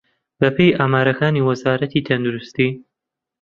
بەپێی ئامارەکانی وەزارەتی تەندروستی